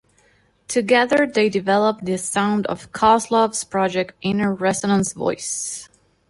Together they developed the sound of Kozlov's project Inner Resonance Voice.